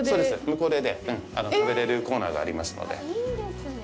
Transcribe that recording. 向こうでね、食べられるコーナーがありますので。